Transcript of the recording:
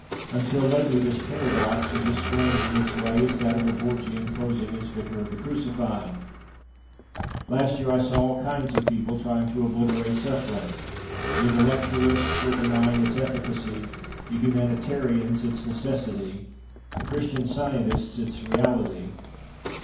Until lately this paradox was as strange, in its way, as that of a Borgian posing as Vicar of the Crucified. Last year I saw all kinds of people trying to obliterate suffering: the intellectualists were denying its efficacy, the humanitarians its necessity, the Christian Scientists its reality.